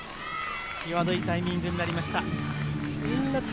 際どいタイミングとなりました。